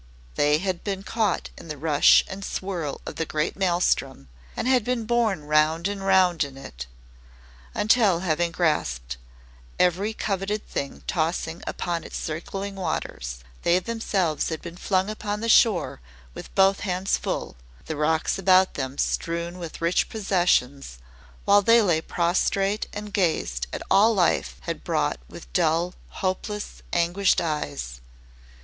They had been caught in the rush and swirl of the great maelstrom, and had been borne round and round in it, until having grasped every coveted thing tossing upon its circling waters, they themselves had been flung upon the shore with both hands full, the rocks about them strewn with rich possessions, while they lay prostrate and gazed at all life had brought with dull, hopeless, anguished eyes.